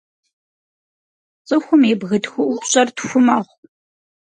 Цӏыхум и бгы тхыӏупщӏэр тху мэхъу.